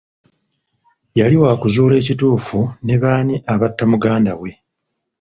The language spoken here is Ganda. Yali wakuzuula ekituufu ne b'ani abatta muganda we.